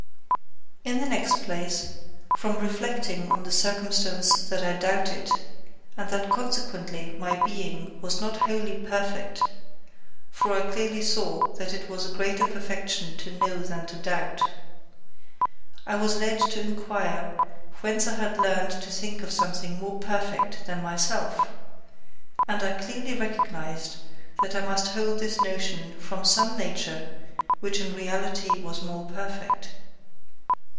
In the next place, from reflecting on the circumstance that I doubted, and that consequently my being was not wholly perfect (for I clearly saw that it was a greater perfection to know than to doubt), I was led to inquire whence I had learned to think of something more perfect than myself; and I clearly recognized that I must hold this notion from some nature which in reality was more perfect.